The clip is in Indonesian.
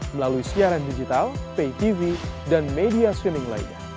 melalui siaran digital pay tv dan media switming lainnya